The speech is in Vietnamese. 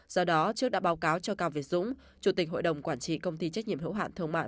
do đó trước đã báo cáo cho cao việt dũng chủ tịch hội đồng quản trị công ty trách nhiệm hữu hạn thương mại